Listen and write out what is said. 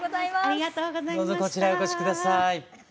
どうぞこちらへお越し下さい。